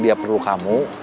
dia perlu kamu